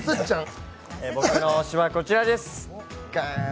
僕の押しはこちらです。